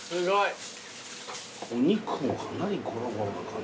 お肉もかなりゴロゴロな感じ。